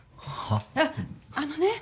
ああのね